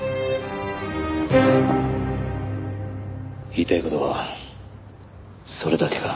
言いたい事はそれだけか？